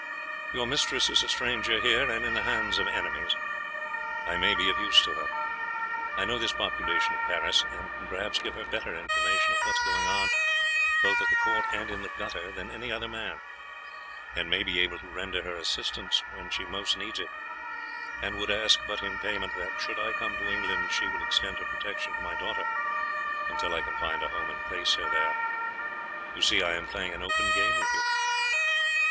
Your mistress is a stranger here, and in the hands of enemies. I may be of use to her. I know this population of Paris, and can perhaps give her better information of what is going on both at the court and in the gutter than any other man, and may be able to render her assistance when she most needs it; and would ask but in payment that, should I come to England, she will extend her protection to my daughter until I can find a home and place her there. You see I am playing an open game with you."